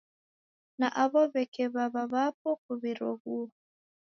Na aw'o w'eke wawa w'apo kuw'iroghuo